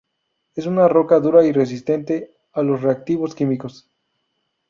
Es una roca dura y resistente a los reactivos químicos.